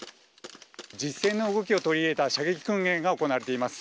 実戦の動きを取り入れた射撃訓練が行われています。